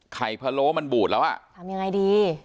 พะโล้มันบูดแล้วอ่ะทำยังไงดี